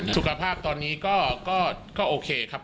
สุขภาพตอนนี้ก็โอเคครับ